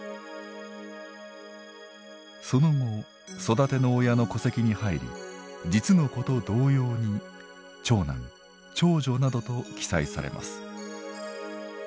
その後育ての親の戸籍に入り実の子と同様に長男長女などと記載されます。